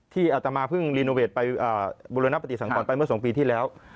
ที่อาตมาเพิ่งรีโนเวทไปบุรณะปกติสั่งก่อนไปเมื่อสองปีที่แล้ว